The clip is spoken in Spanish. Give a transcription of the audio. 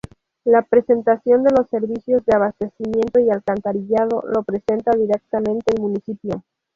La prestación de los servicios de abastecimiento y alcantarillado lo presta directamente el Municipio.